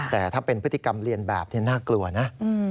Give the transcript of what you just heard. แต่ถ้าเป็นพฤติกรรมเรียนแบบนี้น่ากลัวนะ